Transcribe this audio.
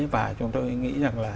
và chúng tôi nghĩ rằng là